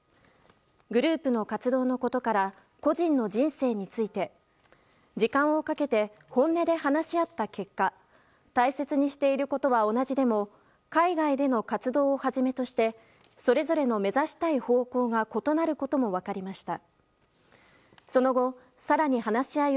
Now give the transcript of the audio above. グループの活動のことから個人の人生について時間をかけて本音で話し合った結果大切にしていることは同じでも海外での活動をはじめとしてそれぞれの目指したい方向が異なることも分かりました。